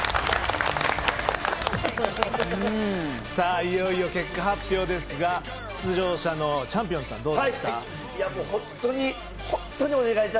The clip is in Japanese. いよいよ結果発表ですが、出場者のちゃんぴおんずさん、どうでした？